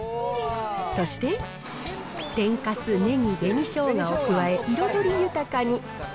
そして、天かす、ねぎ、紅しょうがを加え、彩り豊かに。